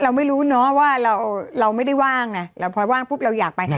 เราไม่รู้เนอะว่าเราไม่ได้ว่างไงเราพอว่างปุ๊บเราอยากไป